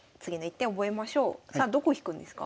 さあどこ引くんですか？